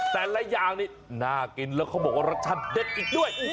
แต่ละอย่างนี้น่ากินแล้วเขาบอกว่ารสชาติเด็ดอีกด้วย